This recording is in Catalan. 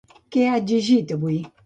Què ha exigit avui?